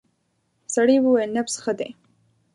سړی وویل نبض ښه دی.